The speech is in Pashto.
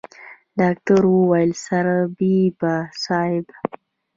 ډاکتر وويل سرطبيب صايب.